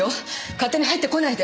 勝手に入ってこないで！